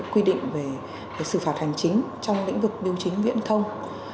quy định về sự phạt hành chính trong lĩnh vực điều chính viễn thông